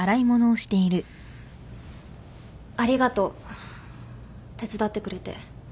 ありがとう手伝ってくれて。